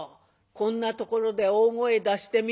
こんなところで大声出してみ。